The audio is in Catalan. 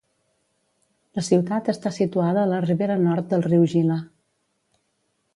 La ciutat està situada a la ribera nord del riu Gila.